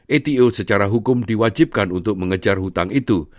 ato secara hukum diwajibkan untuk mengejar hutang itu